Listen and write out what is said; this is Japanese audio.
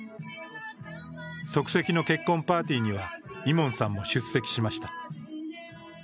即席の結婚パーティーにはイモンさんも出席しました。